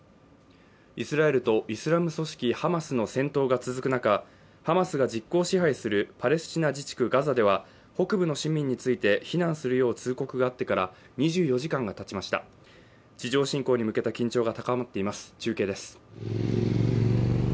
イスラエルとイスラム組織ハマスの戦闘が続く中ハマスが実効支配するパレスチナ自治区ガザでは北部の市民について避難するよう通告があってから２４時間がたちました地上侵攻に向けた緊張が高まっています中継です